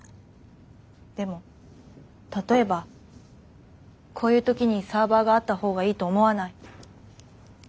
でも例えばこういう時にサーバーがあった方がいいと思わない？